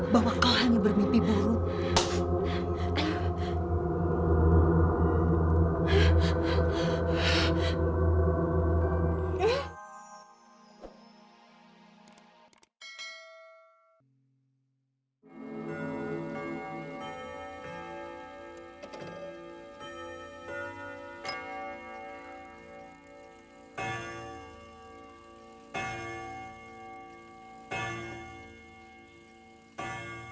sampai jumpa di video selanjutnya